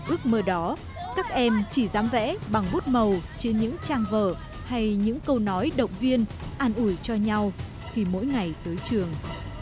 ước mơ đó các em chỉ dám vẽ bằng bút màu trên những trang vở hay những câu nói động viên an ủi cho nhau khi mỗi ngày tới trường